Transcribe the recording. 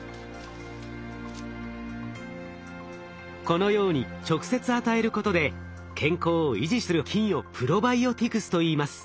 このように直接与えることで健康を維持する菌をプロバイオティクスといいます。